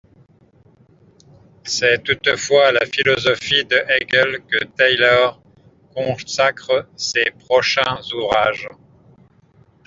C'est toutefois à la philosophie de Hegel que Taylor consacre ses prochains ouvrages.